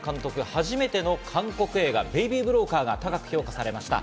初めての韓国映画『ベイビー・ブローカー』が高く評価されました。